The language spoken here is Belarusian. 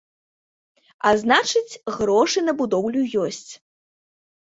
А значыць, грошы на будоўлю ёсць.